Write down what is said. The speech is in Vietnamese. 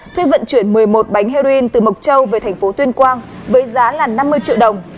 thuê vận chuyển một mươi một bánh heroin từ mộc châu về thành phố tuyên quang với giá là năm mươi triệu đồng